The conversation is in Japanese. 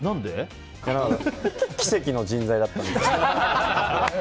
奇跡の人材だったんで。